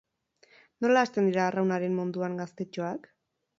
Nola hasten dira arraunaren munduan gaztetxoak?